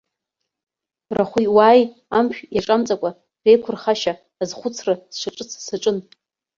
Рахәи уааи амшә иаҿамҵакәа реиқәырхашьа азхәыцра сшаҿыц саҿын.